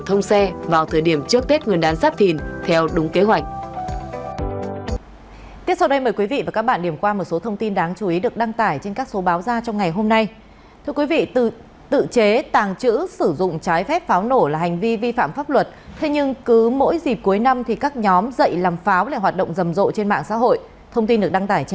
thông xe vào thời điểm trước tết nguyên đán sắp thìn theo đúng kế hoạch